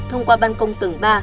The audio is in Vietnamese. thông qua băn công tầng ba